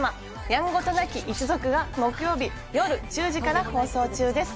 「やんごとなき一族」が木曜日夜１０時から放送中です。